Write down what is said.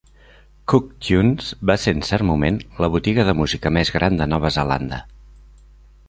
Coke Tunes va ser, en cert moment, la botiga de música més gran de Nova Zelanda.